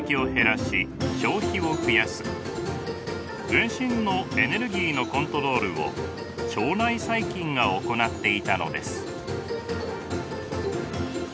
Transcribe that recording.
全身のエネルギーのコントロールを腸内細菌が行っていたのです。